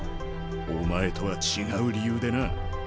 お前とは違う理由でな。